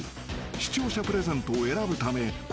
［視聴者プレゼントを選ぶため昴